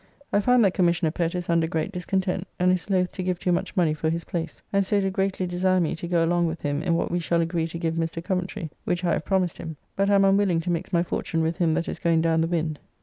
I find that Commissioner Pett is under great discontent, and is loth to give too much money for his place, and so do greatly desire me to go along with him in what we shall agree to give Mr. Coventry, which I have promised him, but am unwilling to mix my fortune with him that is going down the wind.